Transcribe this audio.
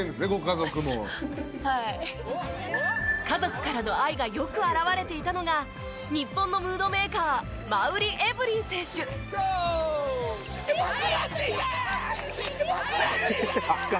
家族からの愛がよく現れていたのが日本のムードメーカー「ハハハ